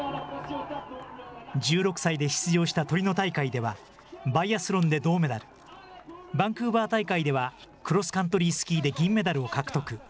１６歳で出場したトリノ大会では、バイアスロンで銅メダル、バンクーバー大会では、クロスカントリースキーで銀メダルを獲得。